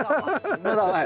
まだ甘い。